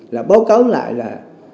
là bố cấu lại là